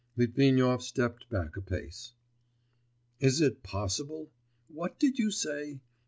Litvinov stepped back a pace. 'Is it possible? What did you say?...